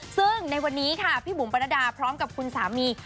ซึ่งในวันนี้ค่ะพี่บุ๋มปรณดาพร้อมกับคุณสามี